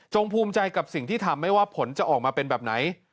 ภูมิใจกับสิ่งที่ทำไม่ว่าผลจะออกมาเป็นแบบไหน